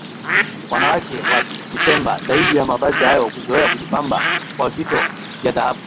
Wanawake wa Kipemba zaidi ya mavazi hayo huzoea kujipamba kwa vito vya dhahabu